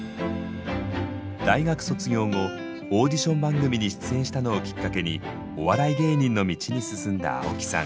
大学卒業後オーディション番組に出演したのをきっかけにお笑い芸人の道に進んだ青木さん。